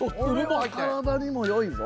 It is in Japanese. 体にもよいぞ。